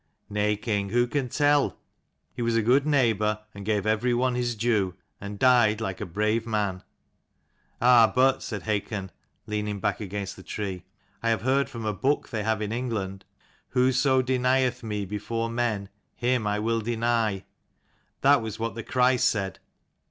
"Nay, king, who can tell? He was a good neighbour, and gave every one his due, and died like a brave man." "Ah, but," said Hakon, leaning back against the tree, "I have heard from a book they have in England, Whoso denieth me before men, him will I deny. That was what the Christ said.